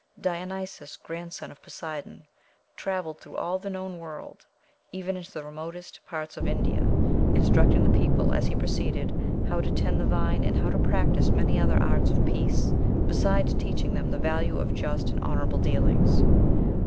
Dionysos, grandson of Poseidon, travelled "through all the known world, even into the remotest parts of India, instructing the people, as he proceeded, how to tend the vine, and how to practise many other arts of peace, besides teaching them the value of just and honorable dealings."